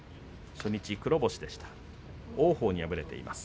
初日黒星でした。